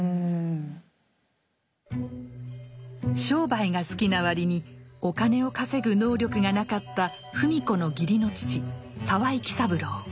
商売が好きな割にお金を稼ぐ能力がなかった芙美子の義理の父沢井喜三郎。